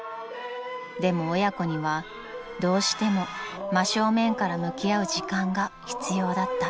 ［でも親子にはどうしても真正面から向き合う時間が必要だった］